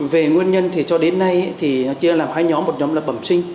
về nguyên nhân thì cho đến nay thì chia làm hai nhóm một nhóm là bẩm sinh